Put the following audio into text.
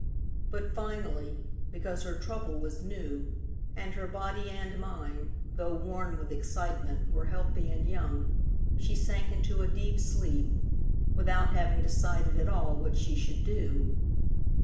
But finally, because her trouble was new and her body and mind, though worn with excitement, were healthy and young, she sank into a deep sleep, without having decided at all what she should do.